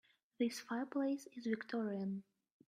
This fireplace is victorian.